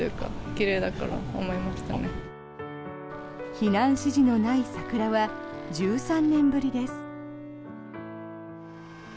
避難指示のない桜は１３年ぶりです。